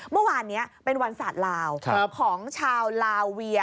เมื่อวานนี้เป็นวันศาสตร์ลาว